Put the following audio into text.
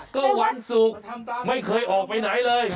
ก็วันศุกร์ไม่เคยออกไปไหนเลย